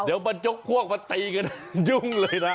เดี๋ยวมันยกพวกมาตีกันยุ่งเลยนะ